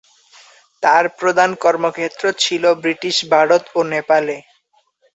তার প্রধান কর্মক্ষেত্র ছিল ব্রিটিশ ভারত ও নেপালে।